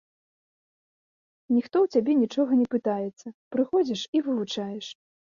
Ніхто ў цябе нічога не пытаецца, прыходзіш і вывучаеш.